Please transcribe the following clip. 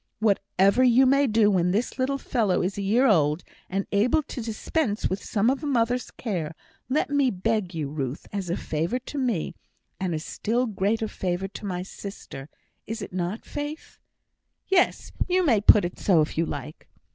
"Whatever you may do when this little fellow is a year old, and able to dispense with some of a mother's care, let me beg you, Ruth, as a favour to me as a still greater favour to my sister, is it not, Faith?" "Yes; you may put it so if you like."